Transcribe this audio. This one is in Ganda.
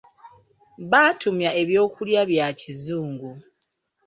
Baatumya eby'okulya bya kizungu.